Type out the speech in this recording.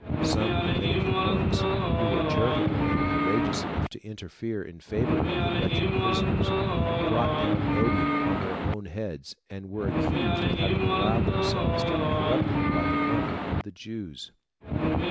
Some Dominican monks, who were charitable and courageous enough to interfere in favour of the wretched prisoners, brought down odium on their own heads, and were accused of having allowed themselves to be corrupted by the money of the Jews.